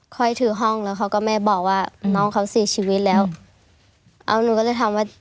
ถือห้องแล้วเขาก็แม่บอกว่าน้องเขาเสียชีวิตแล้วเอาหนูก็เลยถามว่า